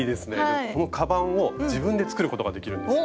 このカバンを自分で作ることができるんですよ。